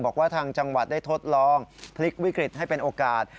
บอกว่าทางจังหวัดได้ทดลองพลิกวิกฤตให้เป็นโอกาส